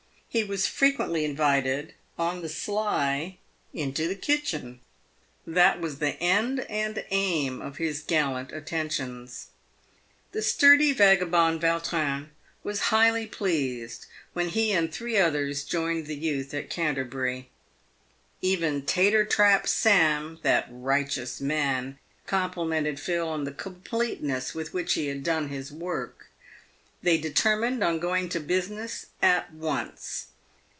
He was frequently invited, on the sly, into the kitchen. That was the end and aim of his gallant attentions. 382 PAVED WITH GOLD. The sturdy vagabond Vautrin was highly pleased when he and three others joined the youth at Canterbury. Even Tater trap Sam, that "righteous man,"* complimented Phil on the completeness with which he had done his work. They determined on going to business at once.